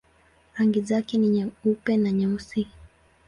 Rangi zake ni nyeupe na nyeusi.